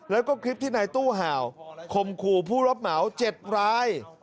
แล้วก็คลิปที่นายตู้ห่าวคมขู่ผู้รับเหมา๗ราย